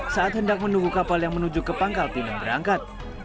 saat hendak menunggu kapal yang menuju ke pangkal pinang berangkat